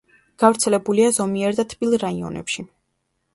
გავრცელებულია ზომიერ და თბილ რაიონებში.